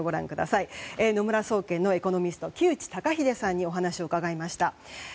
野村総研のエコノミスト木内登英さんにお話を伺いました。